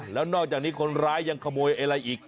แล้วนอกจากนี้คนร้ายยังขโมยอะไรอีก